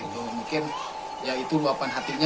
mungkin itu luapan hatinya